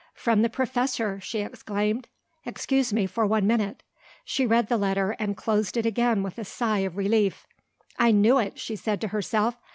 "From the Professor!" she exclaimed. "Excuse me, for one minute." She read the letter, and closed it again with a sigh of relief. "I knew it!" she said to herself.